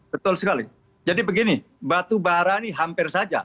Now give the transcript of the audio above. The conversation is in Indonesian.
betul sekali jadi begini batubara ini hampir saja